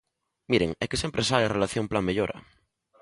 Miren, é que sempre sae a relación Plan Mellora.